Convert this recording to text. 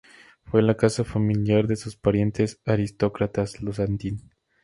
Fue la casa familiar de sus parientes aristócratas, los Satin.